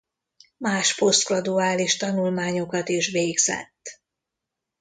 Más posztgraduális tanulmányokat is végzett.